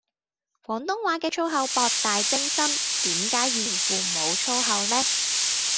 廣東話嘅粗口博大精深，點解語言庫無粗口呢